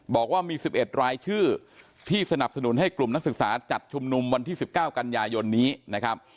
บอกว่ามี๑๑รายชื่อที่สนับสนุนให้กลุ่มนักศึกษาจัดชุมนุมวันที่๑๙กันยายนนี้นะครับ